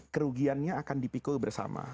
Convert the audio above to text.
kerugiannya akan dipikul bersama